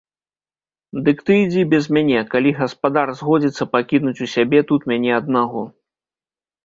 Дык ты ідзі без мяне, калі гаспадар згодзіцца пакінуць у сябе тут мяне аднаго.